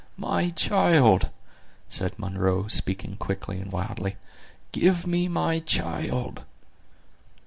"My child!" said Munro, speaking quickly and wildly; "give me my child!"